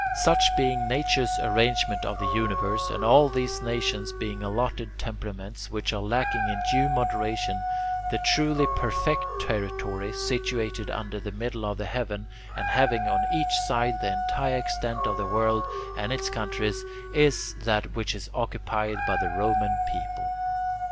Such being nature's arrangement of the universe, and all these nations being allotted temperaments which are lacking in due moderation, the truly perfect territory, situated under the middle of the heaven, and having on each side the entire extent of the world and its countries, is that which is occupied by the Roman people.